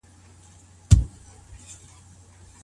زموږ دوستان بايد زموږ په نکاح ولي خوشحاله سي؟